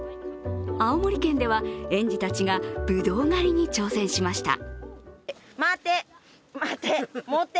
青森県では、園児たちがぶどう狩りに挑戦しました。